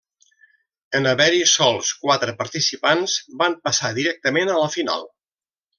En haver-hi sols quatre participants van passar directament a la final.